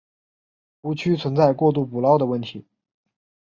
湖区存在过度捕捞的问题。